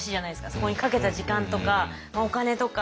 そこにかけた時間とかお金とか。